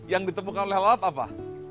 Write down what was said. yang ditemukan oleh laut apa